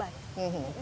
patung udara milik kita